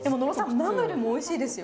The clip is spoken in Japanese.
ナムルもおいしいですよ。